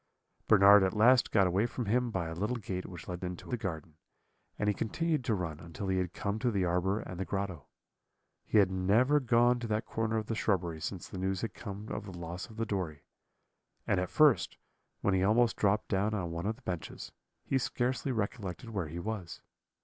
"Bernard at last got away from him by a little gate which led into the garden, and he continued to run until he had come to the arbour and the grotto. He had never gone to that corner of the shrubbery since the news had come of the loss of the Dory; and at first, when he almost dropped down on one of the benches, he scarcely recollected where he was.